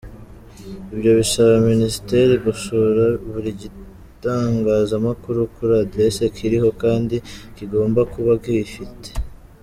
Ibyo bisaba ministeri gusura buri gitangazamakuru kuri adresse kiriho kandi kigomba kuba kiyifite.